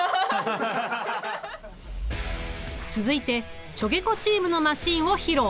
続いてしょげこチームのマシンを披露！